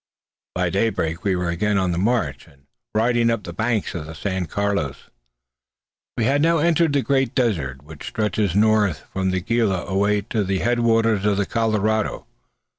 By daybreak we were again on the march, and riding up the banks of the San Carlos. We had now entered the great desert which stretches northward from the Gila away to the head waters of the Colorado.